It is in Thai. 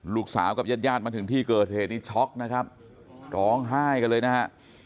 ลูกสาวกับญาติญาติมาถึงที่เกิดเหตุนี้ช็อกนะครับร้องไห้กันเลยนะฮะ